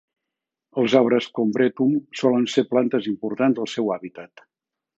Els arbres "Combretum" solen ser plantes importants al seu hàbitat.